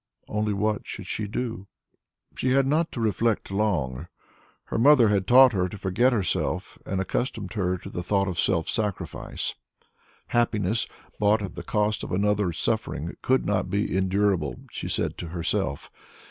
Only what should she do? She had not to reflect long. Her mother had taught her to forget herself and accustomed her to the thought of self sacrifice. Happiness bought at the cost of another's suffering could not be endurable, she said to herself.